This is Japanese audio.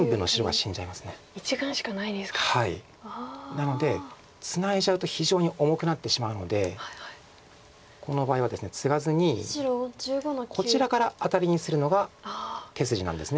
なのでツナいじゃうと非常に重くなってしまうのでこの場合はですねツガずにこちらからアタリにするのが手筋なんです。